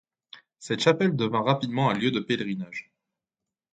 Cette chapelle devint rapidement un lieu de pèlerinage.